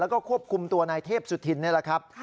แล้วก็ควบคุมตัวนายเทพสุธินนี่แหละครับ